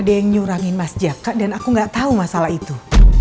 ada yang nyurangin mas jaka dan aku gak tahu masalah itu